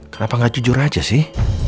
kenapa nggak jujur aja sih